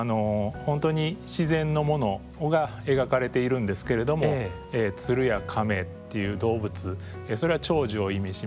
本当に自然のものが描かれているんですけれども鶴や亀っていう動物それは長寿を意味します。